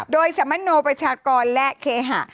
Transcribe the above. โดยสมโนประชากรและเคหะ